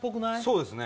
そうですね